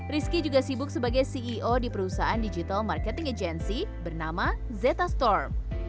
rizky juga sibuk sebagai ceo di perusahaan digital marketing agency bernama zetastorm